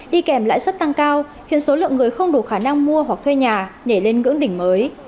đi kèm lãi suất tăng cao khiến số lượng người không đủ khả năng mua hoặc thuê nhà nhảy lên ngưỡng đỉnh mới